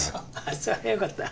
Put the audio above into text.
それはよかった。